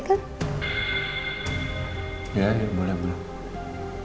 sekalian saya juga mau ketemu sama sepuluh kakaknya